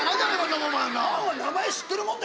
ファンは名前知ってるもんだよね。